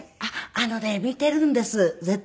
あのね見ているんです絶対。